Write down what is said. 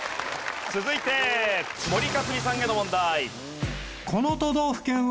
続いて森香澄さんへの問題。